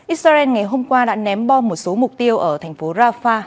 israel ngày hôm qua đã ném bom một số mục tiêu ở thành phố rafah